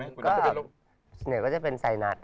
เหนือก็จะเป็นไซนัส